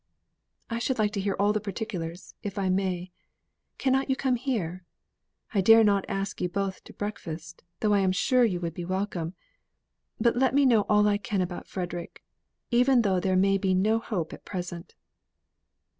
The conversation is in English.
"I should like to hear all the particulars, if I may. Cannot you come here? I dare not ask you both to breakfast, though I am sure you would be welcome. But let me know all you can about Frederick, even though there may be no hope at present."